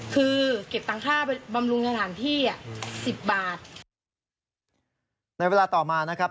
คือเก็บตังค่าไปบำรุงสถานที่อ่ะสิบบาทในเวลาต่อมานะครับ